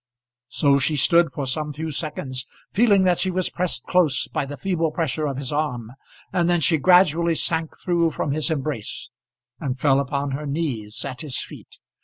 So she stood for some few seconds, feeling that she was pressed close by the feeble pressure of his arm, and then she gradually sank through from his embrace, and fell upon her knees at his feet.